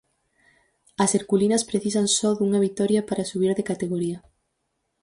As herculinas precisan só dunha vitoria para subir de categoría.